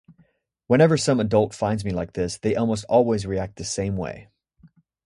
Whenever some adult finds me like this, they almost always react the same way.